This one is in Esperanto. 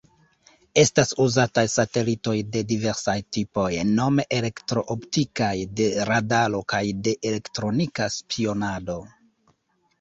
Estas uzataj satelitoj de diversaj tipoj, nome elektro-optikaj, de radaro kaj de elektronika spionado.